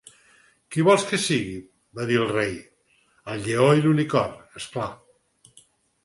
"Qui vols que sigui?", va dir el Rei, "El lleó i l'unicorn, és clar."